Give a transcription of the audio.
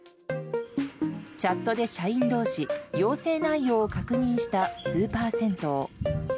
チャットで社員同士要請内容を確認したスーパー銭湯。